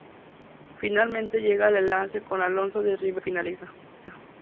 Finalmente llega al enlace con Alonso de Ribera en donde finaliza.